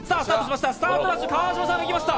スタートしました。